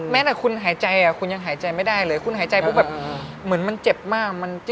แม้แต่คุณหายใจคุณยังหายใจไม่ได้เลยคุณหายใจปุ๊บแบบเหมือนมันเจ็บมาก